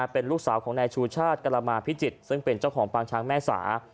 เป็นลูกสาวของนายชูชาติกรมาพิจิตรซึ่งเป็นเจ้าของปางช้างแม่สา